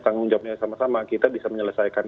tanggung jawabnya sama sama kita bisa menyelesaikan